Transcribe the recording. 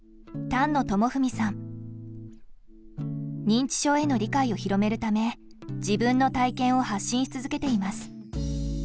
認知症への理解を広めるため自分の体験を発信し続けています。